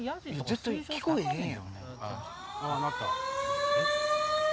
絶対聞こえへんやん。